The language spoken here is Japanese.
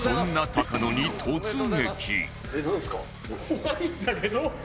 怖いんだけど！